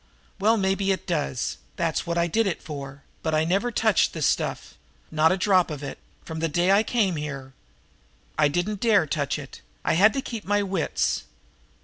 Well, maybe it does, that's what I did it for; but I never touched the stuff, not a drop of it, from the day I came here. I didn't dare touch it. I had to keep my wits.